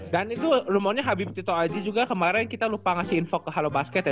dan itu rumornya habib tito aji juga kemarin kita lupa ngasih info ke halo basket ya